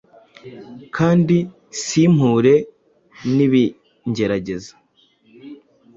kandi simpure n’ibingerageza